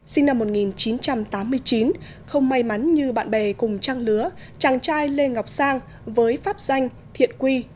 sinh năm một nghìn chín trăm tám mươi chín không may mắn như bạn bè cùng trang lứa chàng trai lê ngọc sang với pháp danh thiện quy